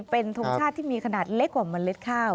เป็นทงชาติที่มีขนาดเล็กกว่าเมล็ดข้าว